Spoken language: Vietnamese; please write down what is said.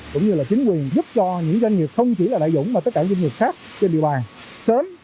cũng như là chính quyền giúp cho những doanh nghiệp không chỉ là đại dũng mà tất cả doanh nghiệp khác trên địa bàn sớm